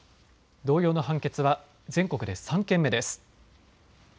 同様の判決は全国で３件目です。